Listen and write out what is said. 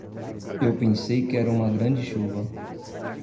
Eu pensei que era uma grande chuva